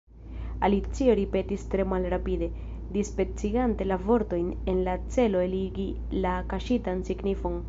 Alicio ripetis tre malrapide, dispecigante la vortojn en la celo eligi la kaŝitan signifon.